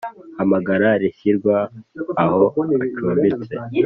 Hamagara rishyirwa aho acumbitse